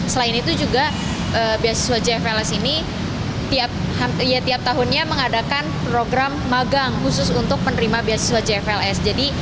selain itu juga beasiswa jfls ini tiap tahunnya mengadakan program magang khusus untuk penerima beasiswa jfls